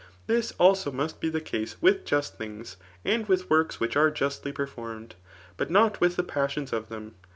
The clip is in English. This must also be the case with just things, and with works which are justly performed ; but not with the passions of them.